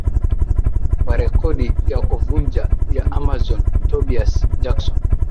wa rekodi ya kuvunja ya Amazon Tobias Jackson